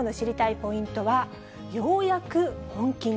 ポイントは、ようやく本気に。